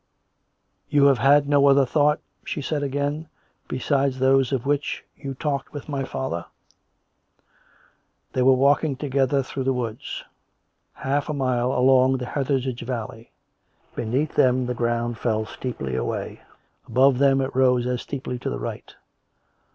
" You have had no other thought ?" she said again, "besides thos'e of which you talked with my father.''" They were walking together through the woods, half a mile along the Hathersage valley. Beneath them the ground fell steeply away, above them it rose as steeply to the right.